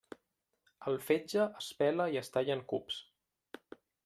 El fetge es pela i es talla en cubs.